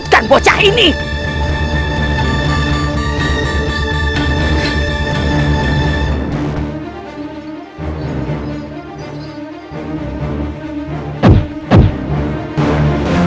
dengan suasana lindah